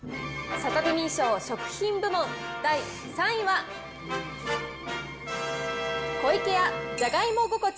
サタデミー賞、食品部門第３位は、湖池屋じゃがいも心地